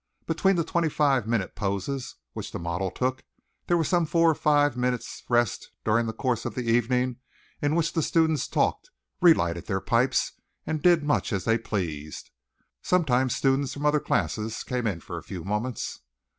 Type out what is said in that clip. Between the twenty five minute poses which the model took, there were some four or five minute rests during the course of the evening in which the students talked, relighted their pipes and did much as they pleased. Sometimes students from other classes came in for a few moments.